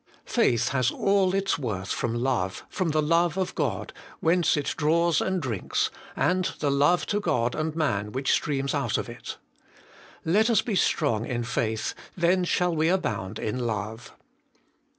4. Faith has all its worth from love, from the love of God, whence it draws and drinks, and the love to God and man which streams out of it. Let us be strong in faith, then shall we abound in love.